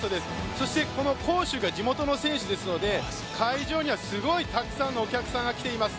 そしてこの杭州が地元の選手ですので会場にはすごいたくさんのお客さんが来ています。